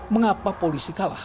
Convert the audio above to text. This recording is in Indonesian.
mengapa polisi kalah